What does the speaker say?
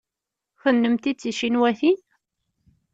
Kennemti d ticinwatin?